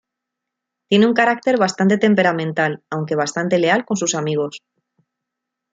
Tiene un carácter bastante temperamental, aunque bastante leal con sus amigos.